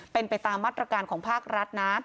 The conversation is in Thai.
เป็นไปตามมาตรการของภาครัฐนะ